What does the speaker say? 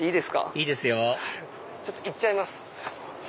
いいですよちょっと行っちゃいます。